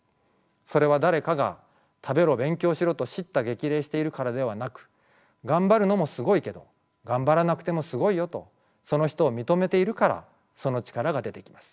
それは誰かが「食べろ勉強しろ」と叱咤激励しているからではなく「がんばるのもすごいけどがんばらなくてもすごいよ」とその人を認めているからその力が出てきます。